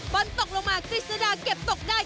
บอลตกลงมาคริสตาเก็บตกได้